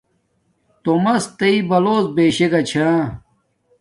تومس تی بلوڎ بیشے گا چھا